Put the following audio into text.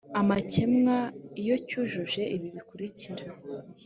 amakemwa iyo cyujuje ibi bikurikira